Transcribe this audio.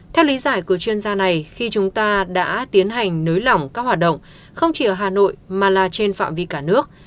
theo lý giải của chuyên gia này khi chúng ta đã tiến hành nới lỏng các hoạt động không chỉ ở hà nội mà là trên phạm vi cả nước